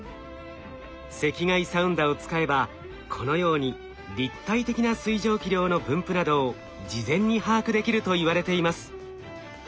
赤外サウンダを使えばこのように立体的な水蒸気量の分布などを事前に把握できるといわれています。